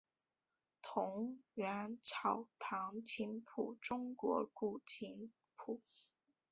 桐园草堂琴谱中国古琴谱。